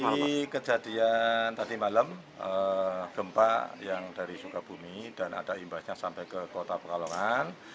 dari kejadian tadi malam gempa yang dari sukabumi dan ada imbasnya sampai ke kota pekalongan